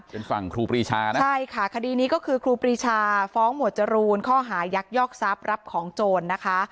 เป็นฝั่งครูปรีชานะใช่ค่ะคดีนี้ก็คือครูปรีชาฟ้องหมวดจรูนข้อหายักยอกทรัพย์รับของโจรนะคะ